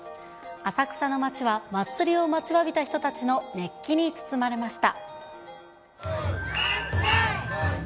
浅草の街は祭りを待ちわびた人たちの熱気に包まれました。